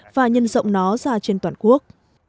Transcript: và nhân rộng nó ra trên toàn quốc